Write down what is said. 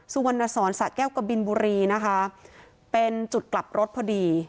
สุวรรณสอนสะแก้วกะบินบุรีนะคะเป็นจุดกลับรถพอดี